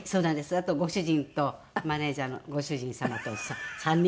あとご主人とマネジャーのご主人様と３人で暮らしております。